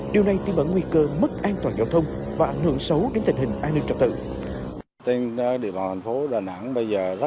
điều này tiêm bẩn nguy cơ mất an toàn giao thông và ảnh hưởng xấu đến tình hình an ninh trật tự